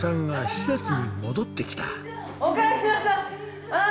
おかえりなさい。